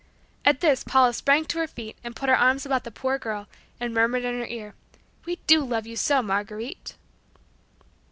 At this Paula sprang to her feet and put her arms about the poor girl, and murmured in her ear, "We do love you so, Marguerite!"